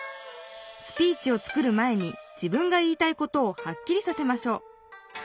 スピーチを作る前に自分が言いたいことをはっきりさせましょう。